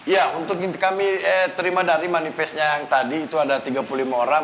ya untuk kami terima dari manifestnya yang tadi itu ada tiga puluh lima orang